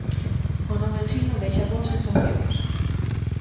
O novo Ensino deixa boas sensacións.